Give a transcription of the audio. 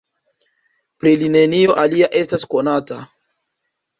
Pri li nenio alia estas konata.